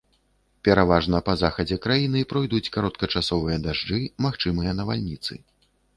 Пераважна па захадзе краіны пройдуць кароткачасовыя дажджы, магчымыя навальніцы.